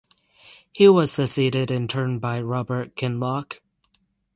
He was succeeded in turn by Robert Kinloch.